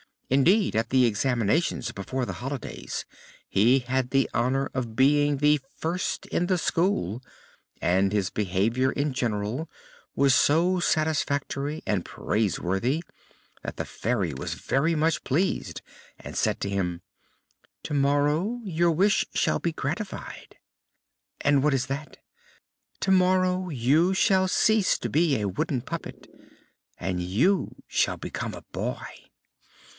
Indeed, at the examinations before the holidays, he had the honor of being the first in the school, and his behavior in general was so satisfactory and praiseworthy that the Fairy was very much pleased, and said to him: "Tomorrow your wish shall be gratified." "And that is?" "Tomorrow you shall cease to be a wooden puppet and you shall become a boy."